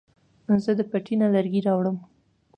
زه د پټي نه لرګي راوړم